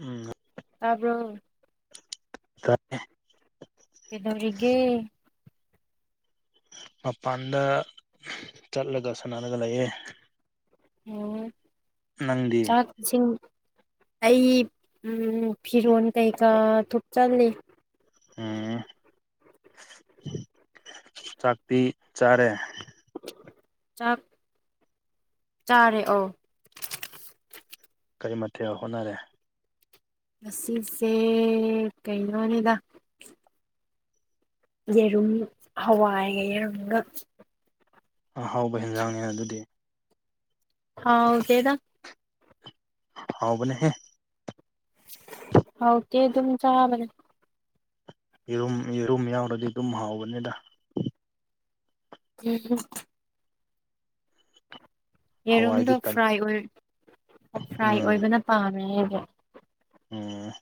ꯎꯝ ꯇꯥꯕ꯭ꯔꯣ ꯇꯥꯏ ꯀꯦꯗꯧꯔꯤꯒꯦ ꯃꯄꯥꯟꯗ ꯆꯠꯂꯒ ꯁꯥꯟꯅꯔꯒ ꯂꯩꯌꯦ ꯑꯣ ꯅꯪꯗꯤ ꯁꯤꯡ ꯑꯩ ꯎꯝ ꯐꯤꯔꯣꯟ ꯀꯩꯀꯥ ꯊꯨꯞꯆꯜꯂꯤ ꯎꯝ ꯆꯥꯛꯇꯤ ꯆꯥꯔꯦ ꯆꯥꯛ ꯆꯥꯔꯦ ꯑꯧ ꯀꯔꯤ ꯃꯊꯦꯜ ꯍꯣꯠꯅꯔꯦ ꯉꯁꯤꯁꯦ ꯀꯩꯅꯣꯅꯤꯗ ꯌꯦꯔꯨꯝ ꯍꯋꯥꯏꯒ ꯌꯦꯔꯨꯝꯒ ꯑꯍꯥꯎꯕ ꯍꯦꯟꯖꯥꯡꯅꯦ ꯑꯗꯨꯗꯤ ꯍꯥꯎꯇꯦꯗ ꯍꯥꯎꯕꯅꯦꯍꯦ ꯍꯥꯎꯇꯦ ꯑꯗꯨꯝ ꯆꯥꯕꯅꯦ ꯌꯦꯔꯨꯝ ꯌꯦꯔꯨꯝ ꯌꯥꯎꯔꯗꯤ ꯗꯨꯝ ꯍꯥꯎꯕꯅꯦꯗ [unintelligible] ꯌꯦꯔꯨꯝꯗꯣ ꯍꯋꯥꯏꯗꯤ ꯇꯜ ꯐ꯭ꯔꯥꯏ ꯑꯣꯏꯔ ꯐ꯭ꯔꯥꯏ ꯎꯝ ꯑꯣꯏꯕꯅ ꯄꯥꯝꯃꯦ ꯑꯩꯗꯤ ꯎꯝ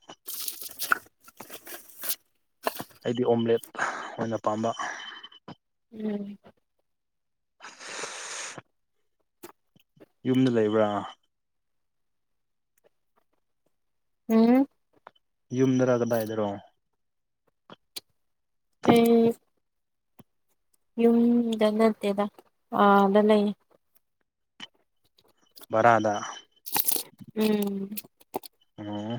ꯑꯩꯗꯤ ꯑꯣꯝꯂꯦꯠ ꯑꯣꯏꯅ ꯄꯥꯝꯕ ꯎꯝ ꯌꯨꯝꯗ ꯂꯩꯕ꯭ꯔꯥ ꯎꯝ ꯌꯨꯝꯗꯔꯥ ꯀꯗꯥꯏꯗꯔꯣ ꯑꯩ ꯌꯨꯝꯗ ꯅꯠꯇꯦꯗ ꯑꯥꯗ ꯂꯩ ꯕꯔꯥꯗ ꯎꯝ ꯑꯣ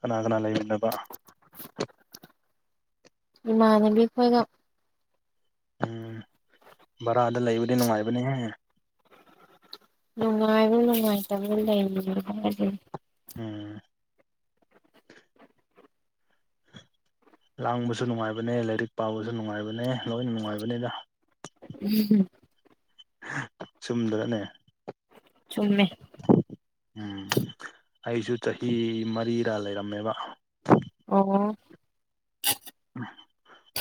ꯀꯅꯥ ꯀꯅꯥ ꯂꯩꯃꯤꯟꯅꯕ ꯏꯃꯥꯟꯅꯕꯤ ꯈꯣꯏꯒ ꯎꯝ ꯚꯔꯥꯗ ꯂꯩꯕꯗꯤ ꯅꯨꯡꯉꯥꯏꯕꯅꯦꯍꯦ ꯅꯨꯡꯉꯥꯏꯕ ꯅꯨꯡꯉꯥꯏꯇꯕ ꯂꯩꯔꯤꯁꯦ [inaudible] ꯎꯝ ꯂꯥꯡꯕꯁꯨ ꯅꯨꯡꯉꯥꯏꯕꯅꯦ ꯂꯥꯏꯔꯤꯛ ꯄꯥꯕꯁꯨ ꯅꯨꯡꯉꯥꯏꯕꯅꯦ ꯂꯣꯏꯅ ꯅꯨꯡꯉꯥꯏꯕꯅꯤꯗ [unintelligible] ꯆꯨꯝꯗ꯭ꯔꯅꯦ ꯆꯨꯝꯃꯦ ꯎꯝ ꯑꯩꯁꯨ ꯆꯍꯤ ꯃꯔꯤꯔꯥ ꯂꯩꯔꯝꯃꯦꯕ ꯑꯣ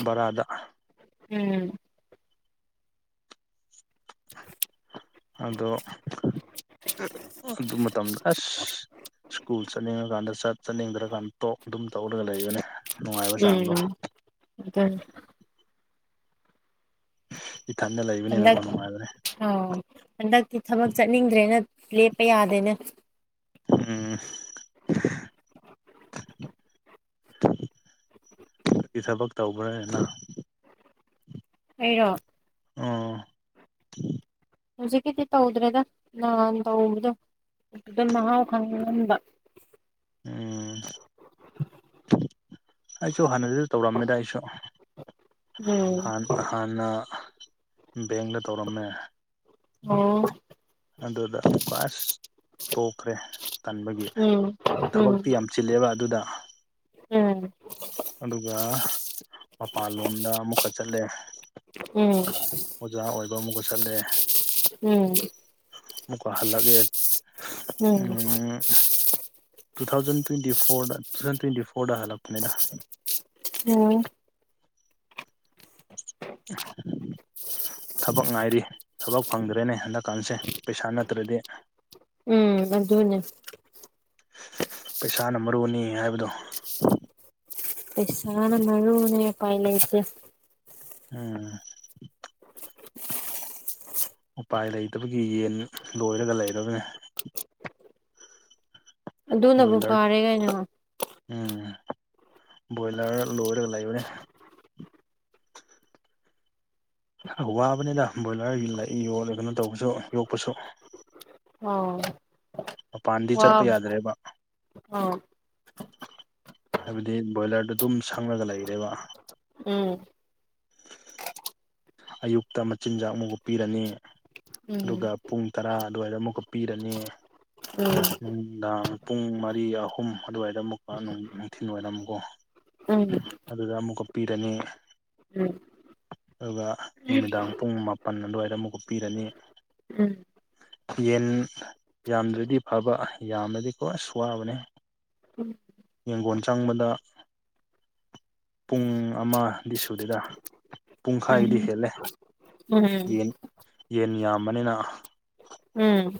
ꯕꯔꯥꯗ ꯎꯝ [inaudible] ꯑꯗꯣ ꯑꯗꯨ ꯃꯇꯝꯗ ꯑꯁ ꯁ꯭ꯀꯨꯜ ꯆꯠꯅꯤꯡꯉꯀꯥꯟꯗ ꯆꯠ ꯆꯠꯅꯤꯡꯗ꯭ꯔꯀꯥꯟꯗ ꯇꯣꯛ ꯑꯗꯨꯝ ꯇꯧꯔꯒ ꯂꯩꯕꯅꯦ ꯅꯨꯡꯉꯥꯏꯕ ꯆꯥꯡꯗꯣ ꯎꯝ [unintelligible] ꯏꯊꯟꯗ ꯂꯩꯕꯅꯤꯅꯀꯣ ꯅꯨꯡꯉꯥꯏꯕꯅꯦ ꯑꯣ ꯍꯟꯗꯛꯇꯤ ꯊꯕꯛ ꯆꯠꯅꯤꯡꯗ꯭ꯔꯦꯅ ꯂꯦꯞꯄ ꯌꯥꯗꯦꯅꯦ ꯎꯝ ꯅꯪꯒꯤ ꯊꯕꯛ ꯇꯧꯕ꯭ꯔꯥꯔꯦꯅ ꯑꯩꯔꯣ ꯑꯣ ꯍꯧꯖꯤꯛꯀꯤꯗꯤ ꯇꯧꯗ꯭ꯔꯦꯗ ꯅꯍꯥꯟ ꯇꯧꯕꯗꯣ ꯑꯗꯨꯗ ꯃꯍꯥꯎ ꯈꯪꯍꯟꯕ ꯎꯝ ꯑꯩꯁꯨ ꯍꯥꯟꯅꯗꯨ ꯇꯧꯔꯝꯃꯦꯗ ꯑꯩꯁꯨ ꯎꯝ ꯍꯥꯟ ꯍꯥꯟ ꯍꯥꯟꯅ ꯕꯦꯡꯛꯗ ꯇꯧꯔꯝꯃꯦ ꯑꯣ ꯑꯗꯨꯗ ꯀ꯭ꯂꯥꯁ ꯇꯣꯛꯈ꯭ꯔꯦ ꯇꯟꯕꯒꯤ ꯎꯝ ꯎꯝ ꯊꯕꯛꯇꯤ ꯌꯥꯝ ꯆꯤꯜꯂꯦꯕ ꯑꯗꯨꯗ ꯎꯝ ꯑꯗꯨꯒ ꯃꯄꯥꯟ ꯂꯣꯝꯗ ꯑꯃꯨꯛꯀ ꯆꯠꯂꯦ ꯎꯝ ꯑꯣꯖꯥ ꯑꯣꯏꯕ ꯑꯃꯨꯛꯀ ꯆꯠꯂꯦ ꯎꯝ ꯑꯃꯨꯛꯀ ꯍꯜꯂꯒꯦ ꯎꯝ ꯇꯨ ꯊꯥꯎꯖꯟ ꯇ꯭ꯋꯦꯟꯇꯤ ꯐꯣꯔꯗ ꯇꯨ ꯊꯥꯎꯖꯟ ꯇ꯭ꯋꯦꯟꯇꯤ ꯐꯣꯔꯗ ꯍꯜꯂꯛꯄꯅꯤꯗ ꯎꯝ [inaudible] ꯊꯕꯛ ꯉꯥꯏꯔꯤ ꯊꯕꯛ ꯐꯪꯗ꯭ꯔꯦꯅꯦ ꯍꯟꯗꯛꯀꯥꯟꯁꯦ ꯄꯩꯁꯥ ꯅꯠꯇ꯭ꯔꯗꯤ ꯎꯝ ꯑꯗꯨꯅꯦ ꯄꯩꯁꯥꯅ ꯃꯔꯨꯅꯤ ꯍꯥꯏꯕꯗꯣ ꯄꯩꯁꯥꯅ ꯃꯔꯨꯅꯦ ꯎꯄꯥꯏ ꯂꯩꯇꯦ ꯎꯝ ꯎꯄꯥꯏ ꯂꯩꯇꯕꯒꯤ ꯌꯦꯟ ꯂꯣꯏꯔꯒ ꯂꯩꯔꯕꯅꯦ ꯑꯗꯨꯅꯕꯨ ꯕꯔꯣꯏꯂꯔ ꯐꯔꯦ ꯀꯩꯅꯣ ꯎꯝ ꯕꯔꯣꯏꯂꯔ ꯂꯣꯏꯔꯒ ꯂꯩꯕꯅꯦ ꯋꯥꯕꯅꯤꯗ ꯕꯔꯣꯏꯂꯔ ꯂꯩ ꯌꯣꯜꯂ ꯀꯩꯅꯣ ꯇꯧꯕꯁꯨ ꯌꯣꯛꯄꯁꯨ ꯑꯧ ꯃꯄꯥꯟꯗꯤ ꯆꯠꯄ ꯌꯥꯗ꯭ꯔꯦꯕ ꯑꯥ ꯍꯥꯏꯕꯗꯤ ꯕꯔꯣꯏꯂꯔꯗ ꯑꯗꯨꯝ ꯁꯪꯉꯥꯒ ꯂꯩꯔꯦꯕ ꯎꯝ ꯑꯌꯨꯛꯇ ꯃꯆꯤꯟꯖꯥꯛ ꯃꯨꯛꯒ ꯄꯤꯔꯅꯤ ꯑꯗꯨꯒ ꯎꯝ ꯄꯨꯡ ꯇꯔꯥ ꯑꯗꯨꯋꯥꯏꯗ ꯑꯃꯨꯛꯀ ꯄꯤꯔꯅꯤ ꯎꯝ ꯅꯨꯡꯗꯥꯡ ꯄꯨꯡ ꯃꯔꯤ ꯑꯍꯨꯝ ꯑꯗꯨꯋꯥꯏꯗ ꯑꯃꯨꯛ ꯅꯨꯡ ꯅꯨꯡꯊꯤꯜ ꯋꯥꯏꯔꯝꯀꯣ ꯎꯝ ꯑꯗꯨꯗ ꯑꯃꯨꯛꯀ ꯄꯤꯔꯅꯤ ꯎꯝ ꯑꯗꯨꯒ ꯅꯨꯃꯤꯗꯥꯡ ꯄꯨꯡ ꯃꯥꯄꯜ ꯑꯗꯨꯋꯥꯏꯗ ꯑꯃꯨꯛꯀ ꯄꯤꯔꯅꯤ ꯌꯦꯟ ꯌꯥꯝꯗ꯭ꯔꯗꯤ ꯐꯕ ꯌꯥꯝꯂꯗꯤ ꯀꯣ ꯑꯁ ꯋꯥꯕꯅꯦ ꯌꯦꯟꯒꯣꯟ ꯆꯪꯕꯗ ꯄꯨꯡ ꯑꯃ ꯗꯤ ꯁꯨꯗꯦꯗ ꯄꯨꯡꯈꯥꯏꯗꯤ ꯍꯦꯜꯂꯦ ꯎꯝ ꯌꯦꯟ ꯌꯦꯟ ꯌꯥꯝꯕꯅꯤꯅ ꯎꯝ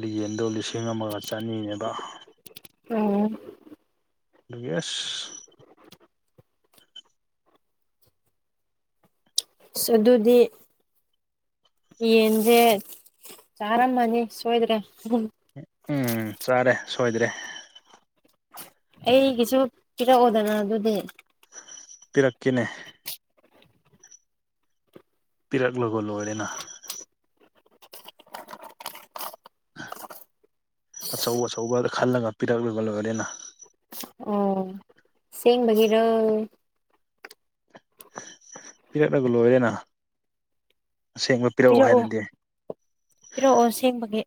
ꯂꯤꯌꯦꯟꯗꯣ ꯂꯤꯁꯤꯡ ꯑꯃꯒ ꯆꯅꯤꯅꯦꯕ ꯗꯨꯒꯤ ꯑꯁ ꯑꯁ ꯑꯗꯨꯗꯤ ꯌꯦꯟꯖꯦ ꯆꯥꯔꯝꯃꯅꯤ ꯁꯣꯏꯗ꯭ꯔꯦ ꯎꯝ ꯆꯥꯔꯦ ꯁꯣꯏꯗ꯭ꯔꯦ ꯑꯩꯒꯤꯁꯨ ꯄꯤꯔꯛꯑꯣꯗꯅ ꯑꯗꯨꯗꯤ ꯄꯤꯔꯛꯀꯦꯅꯦ ꯄꯤꯔꯛꯂꯒ ꯂꯣꯏꯔꯦꯅ ꯑꯆꯧ ꯑꯆꯧꯕ ꯈꯜꯂꯒ ꯄꯤꯔꯛꯂꯒ ꯂꯣꯏꯔꯦꯅ ꯑꯣ ꯑꯁꯦꯡꯕꯒꯤꯔꯣ ꯄꯤꯔꯛꯂꯒ ꯂꯣꯏꯔꯦꯅ ꯑꯁꯦꯡꯕ ꯄꯤꯔꯛꯎ ꯄꯤꯔꯛꯑꯣ ꯍꯥꯏꯔꯗꯤ ꯄꯤꯔꯛꯑꯣ ꯑꯁꯦꯡꯕꯒꯤ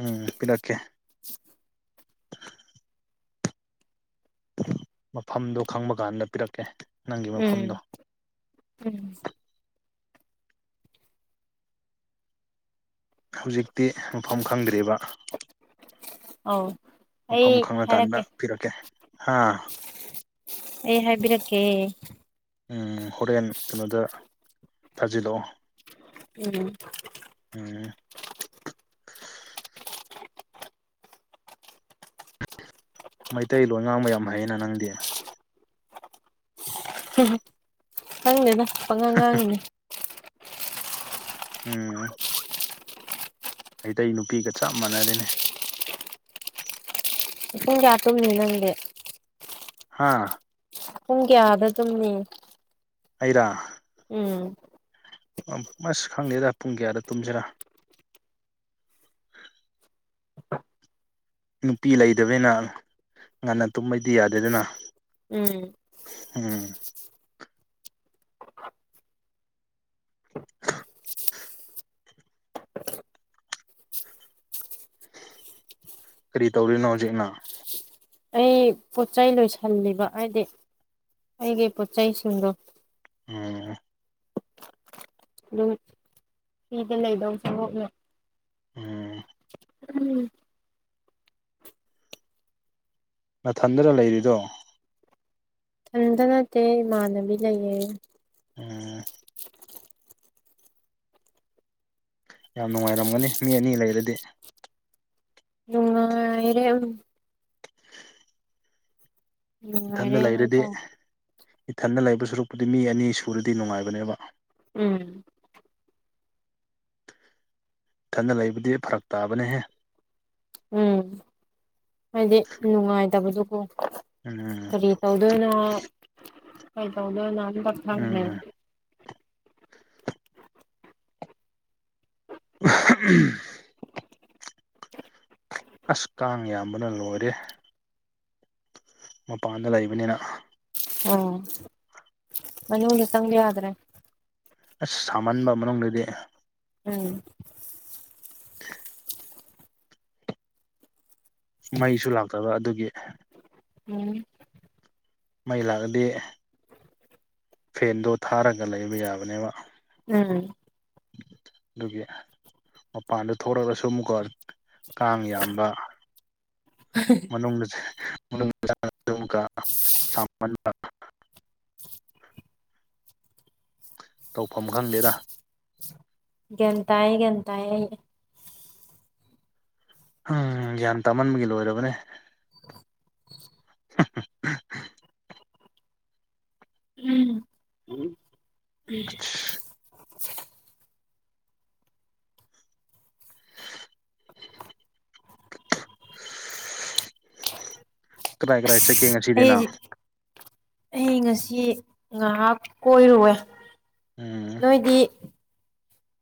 ꯎꯝ ꯄꯤꯔꯛꯀꯦ ꯃꯐꯝꯗꯣ ꯈꯪꯕ ꯀꯥꯟꯗ ꯄꯤꯔꯛꯀꯦ ꯅꯪꯒꯤ ꯎꯝ ꯃꯐꯝꯗꯣ ꯎꯝ ꯍꯧꯖꯤꯛꯇꯤ ꯃꯐꯝ ꯈꯪꯗ꯭ꯔꯤꯕ ꯑꯧ ꯑꯩ ꯃꯐꯝ ꯈꯪꯔꯀꯥꯟꯗ ꯍꯥꯏꯔꯛꯀꯦ ꯄꯤꯔꯛꯀꯦ ꯍꯥ ꯑꯩ ꯍꯥꯏꯕꯤꯔꯛꯀꯦ ꯎꯝ ꯍꯣꯔꯦꯟ ꯀꯩꯅꯣꯗ ꯊꯥꯖꯤꯜꯂꯛꯑꯣ ꯎꯝ ꯎꯝ ꯃꯩꯇꯩꯂꯣꯟ ꯉꯥꯡꯕ ꯌꯥꯝ ꯍꯩꯌꯦꯅ ꯅꯪꯗꯤ ꯈꯪꯗꯦꯗ ꯄꯪꯉꯥꯡ ꯉꯥꯡꯏꯅꯦ ꯎꯝ ꯃꯩꯇꯩ ꯅꯨꯄꯤꯒ ꯆꯞ ꯃꯥꯟꯅꯔꯦꯅꯦ ꯄꯨꯡ ꯀꯌꯥ ꯇꯨꯝꯅꯤ ꯅꯪꯗꯤ ꯍꯥꯥ ꯄꯨꯡ ꯀ꯭ꯌꯥꯗ ꯇꯨꯝꯅꯤ ꯑꯩꯔꯥ ꯎꯝ ꯑꯝ ꯃꯁ ꯈꯪꯗꯦꯗ ꯄꯨꯡ ꯀ꯭ꯌꯥꯗ ꯇꯨꯝꯖꯤꯔꯥ ꯅꯨꯄꯤ ꯂꯩꯇꯕꯅꯤꯅ ꯉꯟꯅ ꯇꯨꯝꯕꯩꯗꯤ ꯌꯥꯗꯦꯗꯅ ꯎꯝ ꯍꯨꯡ [inaudible] ꯀ꯭ꯔꯤ ꯇꯧꯔꯤꯅꯣ ꯍꯧꯖꯤꯛ ꯅꯪ ꯑꯩ ꯄꯣꯠꯆꯩ ꯂꯣꯏꯁꯜꯂꯤꯕ ꯍꯥꯏꯗꯤ ꯑꯩꯒꯤ ꯄꯣꯠꯆꯩꯁꯤꯡꯗꯣ ꯑꯣ ꯑꯗꯨꯝ ꯐꯤꯗ ꯂꯩꯗꯧ ꯁꯔꯨꯛꯅ ꯎꯝ [unintelligible] ꯅꯥꯊꯟꯗꯔꯥ ꯂꯩꯔꯤꯗꯣ ꯊꯟꯗ ꯅꯠꯇꯦ ꯏꯃꯥꯟꯅꯕꯤ ꯂꯩꯌꯦ ꯑꯣ ꯌꯥꯝ ꯅꯨꯡꯉꯥꯏꯔꯝꯒꯅꯤ ꯃꯤ ꯑꯅꯤ ꯂꯩꯔꯗꯤ ꯅꯨꯡꯉꯥꯏꯔꯦ ꯎꯝ ꯅꯨꯡꯉꯥꯏꯔꯦ ꯏꯊꯟꯗ ꯂꯩꯔꯗꯤ ꯍꯥꯏꯇꯥꯔꯦ ꯏꯊꯟꯗ ꯂꯩꯕ ꯁꯨꯔꯛꯄꯨꯗꯤ ꯃꯤ ꯑꯅꯤ ꯁꯨꯔꯗꯤ ꯅꯨꯡꯉꯥꯏꯕꯅꯦꯕ ꯎꯝ ꯢꯊꯟꯗ ꯂꯩꯕꯗꯤ ꯐꯔꯛ ꯇꯥꯕꯅꯦꯍꯦ ꯎꯝ ꯍꯥꯏꯗꯤ ꯅꯨꯡꯉꯥꯏꯇꯕꯗꯨꯀꯣ ꯎꯝ ꯀꯔꯤ ꯇꯧꯗꯣꯏꯅꯣ ꯀꯩ ꯇꯧꯗꯣꯏꯅꯣ ꯑꯝꯇ ꯈꯪꯗꯦ ꯎꯝ [unintelligible] ꯎꯝ ꯑꯁ ꯀꯥꯡ ꯌꯥꯝꯕꯅ ꯂꯣꯏꯔꯦ ꯃꯄꯥꯟꯗ ꯂꯩꯕꯅꯤꯅ ꯑꯣ ꯃꯅꯨꯡꯗ ꯆꯪꯕ ꯌꯥꯗ꯭ꯔꯦ ꯑꯁ ꯁꯥꯃꯟꯕ ꯃꯅꯨꯡꯗꯗꯤ ꯎꯝ [unintelligible] ꯃꯩꯁꯨ ꯂꯥꯛꯇꯕ ꯑꯗꯨꯒꯤ ꯎꯝ ꯃꯩ ꯂꯥꯛꯑꯗꯤ ꯐꯦꯟꯗꯣ ꯊꯥꯔꯒ ꯂꯩꯕ ꯌꯥꯕꯅꯦꯕ ꯎꯝ ꯗꯨꯒꯤ ꯃꯄꯥꯟꯗ ꯊꯣꯔꯛꯔꯁꯨ ꯃꯨꯛꯀꯥ ꯀꯥꯡ ꯌꯥꯝꯕ ꯃꯅꯨꯡꯗꯁꯨ [unintelligible] ꯇꯧꯐꯝ ꯈꯪꯗꯦꯗ ꯒ꯭ꯌꯥꯟ ꯇꯥꯏꯌꯦ ꯒ꯭ꯌꯥꯟ ꯇꯥꯏꯌꯦ ꯍꯝ ꯒ꯭ꯌꯥꯟ ꯇꯥꯃꯟꯕꯒꯤ ꯂꯣꯏꯔꯕꯅꯦ [inaudible] ꯎꯝ [unintelligible] ꯀꯗꯥꯏ ꯀꯗꯥꯏ ꯆꯠꯀꯦ ꯑꯁ ꯑꯩ ꯉꯁꯤꯗꯤꯅ [unintelligible] ꯑꯩ ꯉꯁꯤ ꯉꯍꯥꯛ ꯀꯣꯏꯔꯨꯑꯦ ꯎꯝ ꯅꯣꯏꯗꯤ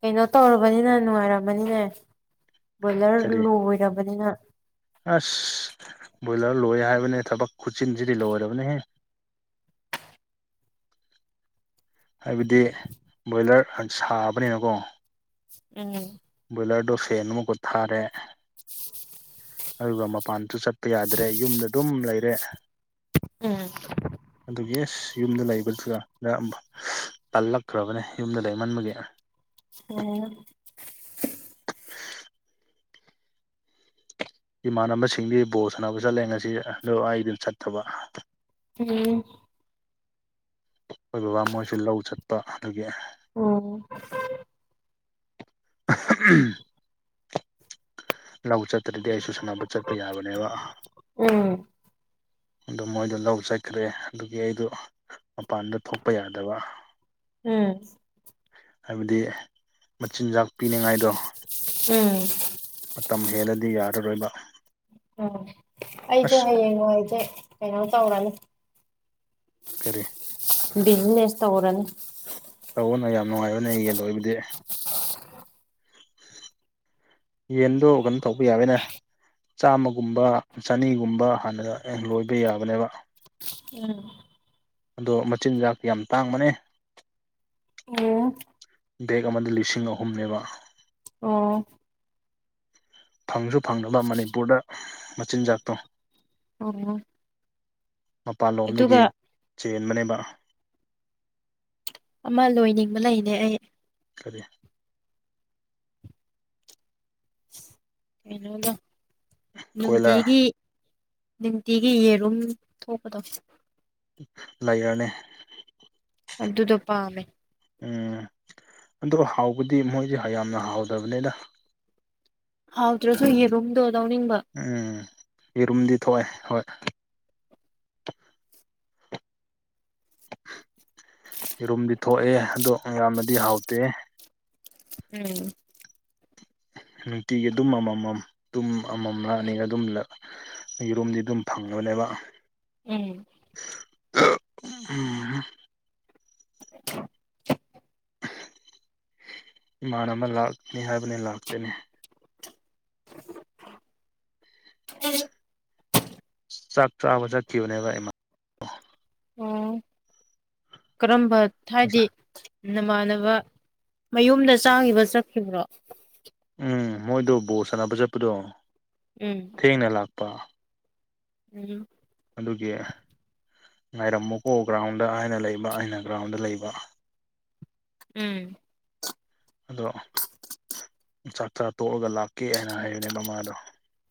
ꯀꯩꯅꯣ ꯇꯧꯔꯕꯅꯤꯅ ꯅꯨꯡꯉꯥꯏꯔꯝꯒꯅꯤꯅꯦ ꯕꯣꯏꯂꯔ ꯀꯔꯤ ꯂꯣꯏꯔꯕꯅꯤꯅ ꯑꯁ ꯕꯣꯏꯂꯔ ꯂꯣꯏ ꯍꯥꯏꯕꯅꯦ ꯊꯕꯛ ꯈꯨꯆꯤꯟꯁꯤꯗꯤ ꯂꯣꯏꯔꯕꯅꯦꯍꯦ ꯍꯥꯏꯕꯗꯤ ꯕꯣꯏꯂꯔ ꯑꯥ ꯁꯥꯕꯅꯦꯅꯀꯣ ꯎꯝ ꯕꯣꯏꯂꯔꯗꯣ ꯐꯦꯟ ꯑꯃꯨꯛꯀ ꯊꯥꯔꯦ ꯑꯗꯨꯒ ꯃꯄꯥꯟꯁꯨ ꯆꯠꯄ ꯌꯥꯗ꯭ꯔꯦ ꯌꯨꯝꯗ ꯗꯨꯝ ꯂꯩꯔꯦ ꯎꯝ ꯑꯗꯨꯒꯤ ꯑꯦꯁ ꯌꯨꯝꯗ ꯂꯩꯕꯗꯨ [unintelligible] ꯇꯜꯂꯛꯈ꯭ꯔꯕꯅꯦ ꯌꯨꯝꯗ ꯂꯩꯃꯟꯕꯒꯤ ꯎꯝ ꯏꯃꯥꯟꯅꯕꯁꯤꯡꯗꯤ ꯕꯣꯜ ꯁꯥꯟꯅꯕ ꯆꯠꯂꯦ ꯉꯁꯤ ꯑꯗꯨ ꯑꯩꯗꯤ ꯆꯠꯇꯕ [unintelligible] ꯑꯩꯈꯣꯏ ꯕꯕꯥ ꯃꯣꯏꯁꯨ ꯂꯧ ꯆꯠꯄ ꯑꯗꯨꯒꯤ ꯑꯣ [unintelligible] ꯂꯧ ꯆꯠꯇ꯭ꯔꯗꯤ ꯑꯩꯁꯨ ꯁꯥꯟꯅꯕ ꯆꯠꯄ ꯌꯥꯕꯅꯦꯕ ꯎꯝ ꯑꯗꯨ ꯃꯣꯏꯗꯣ ꯂꯧ ꯆꯠꯈ꯭ꯔꯦ ꯑꯗꯨꯒꯤ ꯑꯩꯗꯣ ꯃꯄꯥꯟꯗ ꯊꯣꯛꯄ ꯌꯥꯗꯕ ꯎꯝ ꯍꯥꯏꯕꯗꯤ ꯃꯆꯤꯟꯖꯥꯛ ꯄꯤꯅꯤꯡꯉꯥꯏꯗꯣ ꯃꯇꯝ ꯍꯦꯜꯂꯗꯤ ꯌꯥꯔꯔꯣꯏꯕ ꯑꯣ ꯑꯩꯁꯨ ꯑꯁ ꯍꯌꯦꯡ ꯋꯥꯏꯖ‌ꯦ ꯀꯩꯅꯣ ꯇꯧꯔꯟ ꯀꯔꯤ ꯕꯤꯖꯤꯅꯦꯁ ꯇꯧꯔꯟ ꯇꯧꯋꯣꯅ ꯌꯥꯝ ꯅꯨꯡꯉꯥꯏꯕꯅꯦ ꯌꯦꯟ ꯂꯣꯏꯕꯗꯤ ꯌꯦꯟꯗꯣ ꯀꯩꯅꯣ ꯇꯧꯕ ꯌꯥꯒꯅꯦ ꯆꯥꯝꯃꯒꯨꯝꯕ ꯆꯅꯤꯒꯨꯝꯕ ꯍꯥꯟꯅ ꯑꯦ ꯂꯣꯏꯕ ꯌꯥꯕꯅꯦꯕ ꯎꯝ ꯑꯗꯣ ꯃꯆꯤꯟꯖꯥꯛꯇꯤ ꯌꯥꯝ ꯇꯥꯡꯕꯅꯦ ꯕꯦꯛ ꯑꯃꯗ ꯂꯤꯁꯤꯡ ꯑꯍꯨꯝꯅꯦꯕ ꯑꯣ ꯐꯪꯖꯨ ꯐꯪꯗꯕ ꯃꯅꯤꯄꯨꯔꯗ ꯃꯆꯤꯟꯖꯥꯛꯇꯣ ꯑꯣ ꯃꯄꯥꯟ ꯂꯣꯝꯗꯒꯤ ꯑꯗꯨꯒ ꯆꯦꯟꯕꯅꯦꯕ ꯑꯃ ꯂꯣꯏꯅꯤꯡꯕ ꯂꯩꯅꯦ ꯑꯩ ꯀꯔꯤ ꯀꯩꯅꯣꯗꯣ ꯀꯣꯏꯂꯔ ꯅꯨꯡꯇꯤꯒꯤ ꯅꯨꯡꯇꯤꯒꯤ ꯌꯦꯔꯨꯝ ꯊꯣꯛꯄꯗꯣ ꯂꯩꯌꯥꯔꯅꯦ ꯑꯗꯨꯗꯣ ꯄꯥꯝꯃꯦ ꯎꯝ ꯑꯗꯣ ꯍꯥꯎꯕꯗꯤ ꯃꯣꯏꯗꯤ ꯍꯥ ꯌꯥꯝꯅ ꯍꯥꯎꯗꯕꯅꯦꯗ ꯍꯥꯎꯇ꯭ꯔꯖꯨ ꯌꯦꯔꯨꯝꯗꯣ ꯂꯧꯅꯤꯡꯕ ꯎꯝ ꯌꯦꯔꯨꯝꯗꯤ ꯊꯣꯑꯦ ꯍꯣꯏ ꯌꯦꯔꯨꯝꯗꯤ ꯊꯣꯑꯦ ꯑꯗꯣ ꯌꯥꯝꯅꯗꯤ ꯍꯥꯎꯇꯦ ꯎꯝ ꯅꯨꯡꯇꯤꯒꯤ ꯑꯗꯨꯝ ꯑꯃꯃꯝ ꯇꯨꯝ ꯑꯃꯝꯂꯥ ꯑꯅꯤꯔ ꯑꯗꯨꯝ ꯂꯛ ꯌꯦꯔꯨꯝꯗꯤ ꯑꯗꯨꯝ ꯐꯪꯉꯕꯅꯦꯕ ꯎꯝ [unintelligible] ꯎꯝ ꯏꯃꯥꯟꯅꯕ ꯂꯥꯛꯅꯤ ꯍꯥꯏꯕꯅꯦ ꯂꯥꯛꯇꯦꯅꯦ [unintelligible] ꯆꯥꯛ ꯆꯥꯕ ꯆꯥꯠꯈꯤꯕꯅꯦꯕ ꯑꯦꯃ ꯎꯝ ꯀꯔꯥꯝꯕ ꯊꯥꯏꯗꯤ ꯅꯃꯥꯟꯅꯕ ꯃꯌꯨꯝꯗ ꯆꯥꯒꯤꯕ ꯆꯠꯈꯤꯕ꯭ꯔꯣ ꯎꯝ ꯃꯣꯏꯗꯣ ꯕꯣꯜ ꯁꯥꯟꯅꯕ ꯆꯠꯄꯗꯣ ꯎꯝ ꯊꯦꯡꯅ ꯂꯥꯛꯄ ꯎꯝ ꯑꯗꯨꯒꯤ ꯉꯥꯏꯔꯝꯃꯨꯀꯣ ꯒ꯭ꯔꯥꯎꯟꯗ ꯍꯥꯏꯅ ꯂꯩꯕ ꯑꯩꯅ ꯒ꯭ꯔꯥꯎꯟꯗ ꯂꯩꯕ ꯎꯝ ꯑꯗꯣ ꯆꯥꯛ ꯆꯥ ꯇꯣꯛꯑꯒ ꯂꯥꯛꯀꯦ ꯍꯥꯏꯅ ꯍꯥꯏꯕꯅꯦꯕ ꯃꯗꯣ